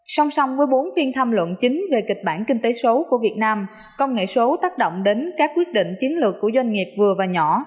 song song với bốn phiên tham luận chính về kịch bản kinh tế số của việt nam công nghệ số tác động đến các quyết định chiến lược của doanh nghiệp vừa và nhỏ